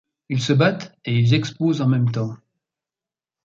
Ils se battent et ils exposent en même temps.